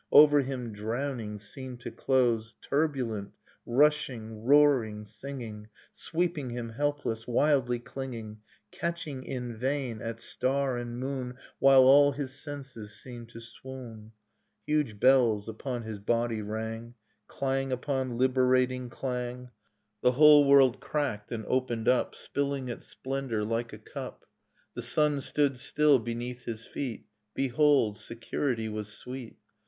Over him, drowning, seemed to close, Turbulent, rushing, roaring, singing, Sweeping him helpless, wildly clinging. Catching in vain at star and moon While all his senses seemed to swoon ... Nocturne of Remembered Spring Huge bells upon his body rang, Clang upon liberating clang, The whole world cracked and opened up Spilling its splendor like a cup, The sun stood still beneath his feet, — Behold ! security was sweet.